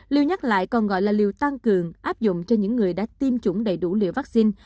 lưu nhắc lại còn gọi là liều tăng cường áp dụng cho những người đã tiêm chủng đầy đủ liều vaccine